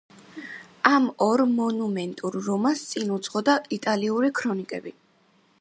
ამ ორ მონუმენტურ რომანს წინ უძღოდა „იტალიური ქრონიკები“.